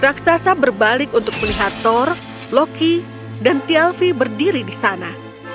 raksasa berbalik untuk melihat thor loki dan tyafi berdiri di sana